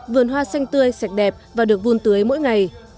vườn hoa xanh tươi sạch đẹp và được vun tưới mỗi ngày